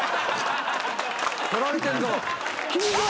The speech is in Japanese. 取られてんぞ。